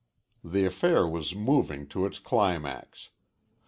The affair was moving to its climax.